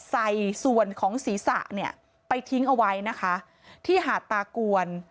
ใส่ส่วนของศีรษะเนี่ยไปทิ้งเอาไว้นะคะที่หาดตากวน